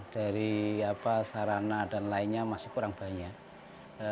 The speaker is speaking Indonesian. dari sarana dan lainnya masih kurang banyak